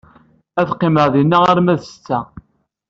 Ad qqimeɣ din arma d ssetta.